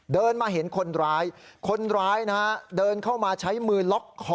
เดินมาเห็นคนร้ายคนร้ายนะฮะเดินเข้ามาใช้มือล็อกคอ